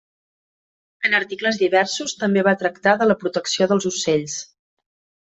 En articles diversos també va tractar de la protecció dels ocells.